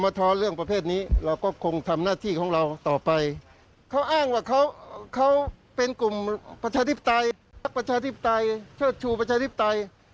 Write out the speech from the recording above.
เพราะว่าเป็นกลุ่มประชาทิศใจรักประชาทิศใจเชิดชูประชาทิศใจ